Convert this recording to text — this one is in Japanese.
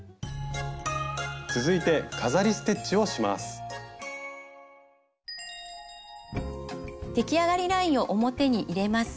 続いてできあがりラインを表に入れます。